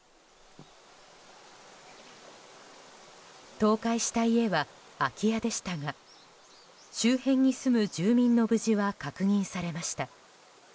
倒壊した家は空き家でしたが周辺に住む住民の無事は確認されました。